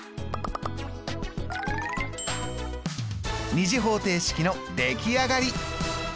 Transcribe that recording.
２次方程式の出来上がり！